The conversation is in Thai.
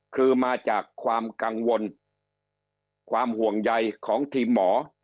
คือมาจากความกังวลความห่วงใยของทีมหมอ